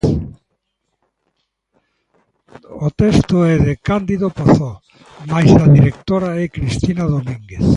O texto é de Cándido Pazó mais a directora é Cristina Domínguez.